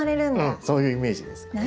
そういうイメージですね。